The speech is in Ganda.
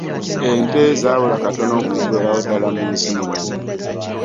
Ente zaabula katono okuggweerawo ddala mu nsi muno.